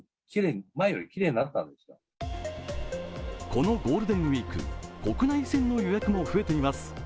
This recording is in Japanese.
このゴールデンウイーク国内線の予約も増えています。